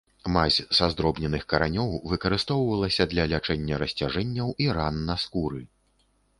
Мазь са здробненых каранёў выкарыстоўвалася для лячэння расцяжэнняў і ран на скуры.